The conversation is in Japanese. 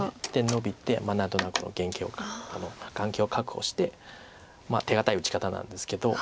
ノビて何となく眼形を確保して手堅い打ち方なんですけど。